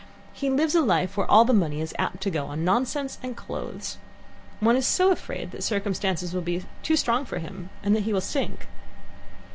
He lives a life where all the money is apt to go on nonsense and clothes. One is so afraid that circumstances will be too strong for him and that he will sink.